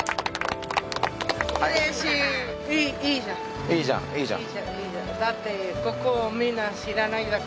いいじゃんいいじゃん。